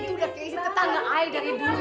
itu udah keisi ketangga air dari dulu